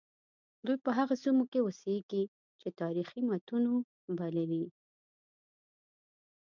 دوی په هغو سیمو کې اوسیږي چې تاریخي متونو بللي.